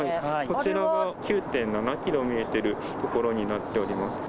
こちらは９．７キロ見えている所になっております。